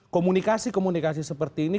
komunikasi komunikasi seperti ini